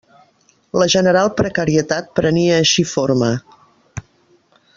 La general precarietat prenia així forma.